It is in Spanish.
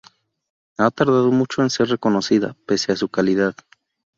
Ha tardado mucho en ser reconocida, pese a su calidad.